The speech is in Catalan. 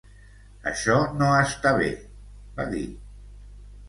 "Això no està bé" va dir.